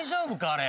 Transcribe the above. あれ。